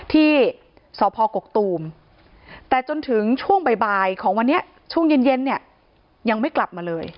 ที่สพกกตูมแต่จนถึงช่วงบ่ายของวันนี้ช่วงเย็นเนี่ยยังไม่กลับมาเลย